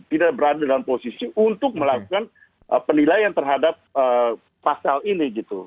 tidak berada dalam posisi untuk melakukan penilaian terhadap pasal ini gitu